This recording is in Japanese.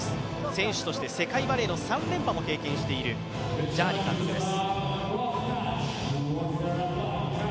選手として世界バレーの３連覇も経験しているジャーニ監督です。